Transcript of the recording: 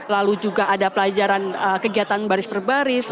lalu juga ada pelajaran kegiatan baris per baris